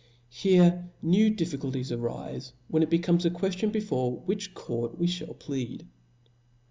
Here new difficulties arife, when it becomes a queftion be fore which court we ihall plead.